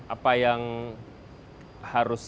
apa yang harus